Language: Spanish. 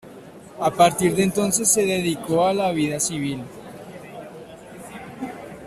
A partir de entonces se dedicó a la vida civil.